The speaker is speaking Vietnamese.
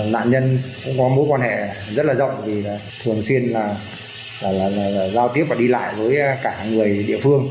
nạn nhân cũng có mối quan hệ rất là rộng vì thường xuyên là giao tiếp và đi lại với cả người địa phương